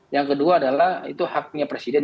yang kedua adalah itu haknya presiden